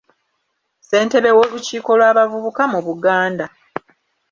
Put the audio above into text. Ssentebe w’olukiiko lw’abavubuka mu Buganda.